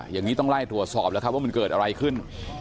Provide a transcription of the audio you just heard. อย่างนี้ต้องไล่ตรวจสอบแล้วครับว่ามันเกิดอะไรขึ้น